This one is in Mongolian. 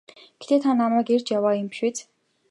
Гэхдээ та намайг эрж яваа юм биш биз?